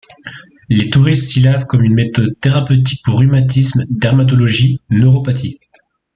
Les touristes s'y lavent comme une méthode thérapeutique pour rhumatisme, dermatologie, neuropathie.